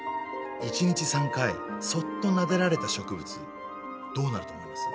一日３回そっとなでられた植物どうなると思います？